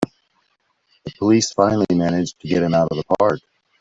The police finally manage to get him out of the park!